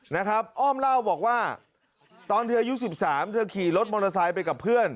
อ้อมเล่าบอกว่าตอนเธออายุ๑๓เธอขี่รถมอเตอร์ไซค์ไปกับเพื่อน